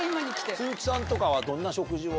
鈴木さんとかはどんな食事を？